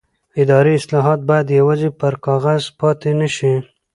اداري اصلاحات باید یوازې پر کاغذ پاتې نه شي